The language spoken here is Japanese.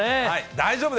大丈夫？